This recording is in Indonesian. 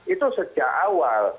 itu sejak awal